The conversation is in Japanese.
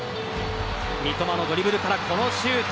三笘のドリブルからこのシュート。